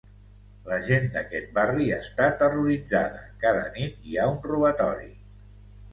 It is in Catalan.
La gent d'aquest barri està terroritzada: cada nit hi ha un robatori.